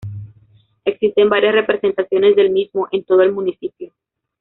Existen varias representaciones del mismo en todo el municipio.